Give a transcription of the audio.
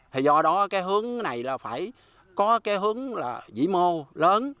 thì do đó cái hướng này là phải có cái hướng là dĩ mô lớn